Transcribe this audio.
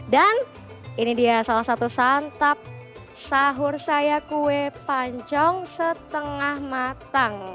dan ini dia salah satu santap sahur saya kue pancong setengah matang